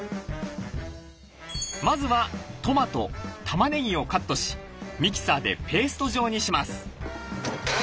まずはトマトたまねぎをカットしミキサーでペースト状にします。